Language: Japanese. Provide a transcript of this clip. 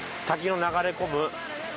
「滝の流れ込む」。